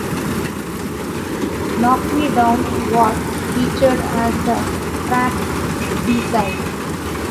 "Knock Me Down" was featured as the track's b-side.